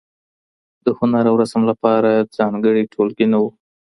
د هنر او رسم لپاره ځانګړي ټولګي نه وو.